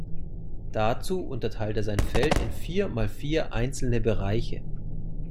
Dazu unterteilt er sein Feld in vier mal vier einzelne Bereiche.